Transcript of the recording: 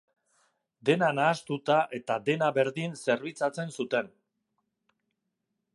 Dena nahastuta eta dena berdin zerbitzatzen zuten.